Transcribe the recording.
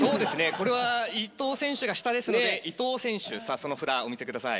これは伊藤選手が下ですので伊藤選手さあその札お見せください。